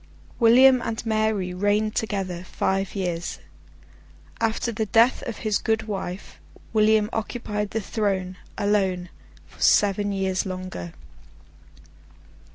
William and Mary reigned together, five years. After the death of his good wife, William occupied the throne, alone, for seven years longer.